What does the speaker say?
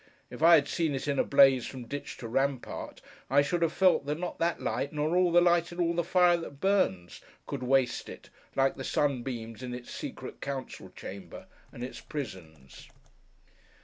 If I had seen it in a blaze from ditch to rampart, I should have felt that not that light, nor all the light in all the fire that burns, could waste it, like the sunbeams in its secret council chamber, and its prisons.